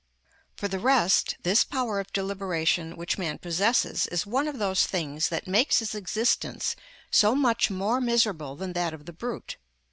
For the rest, this power of deliberation which man possesses is one of those things that makes his existence so much more miserable than that of the brute.